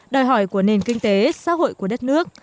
đòi hỏi của nền kinh tế xã hội của đất nước